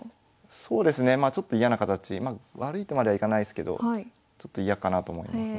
そうですねまあちょっと嫌な形。悪いとまではいかないですけどちょっと嫌かなと思いますので。